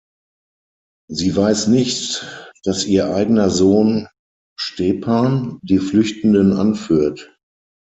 Sie weiß nicht, dass ihr eigener Sohn Stepan die Flüchtenden anführt.